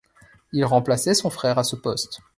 Il remplaçait son frère à ce poste.